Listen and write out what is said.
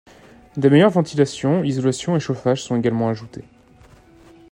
Des meilleurs ventilation, isolation et chauffage sont également ajoutés.